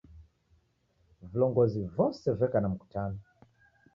Vilongozi vose veka na mkutano